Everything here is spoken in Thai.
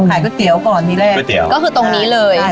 ก๋วยเตี๋ยวก่อนที่แรกก๋วยเตี๋ยวก็คือตรงนี้เลย